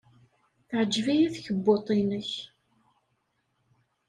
Teɛjeb-iyi tkebbuḍt-nnek.